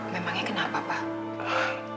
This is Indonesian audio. memangnya kenapa pak